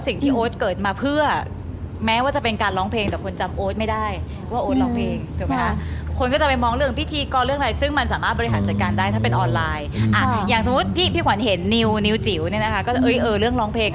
นิ้วจิ๋วเนี่ยนะคะเรื่องร้องเพลง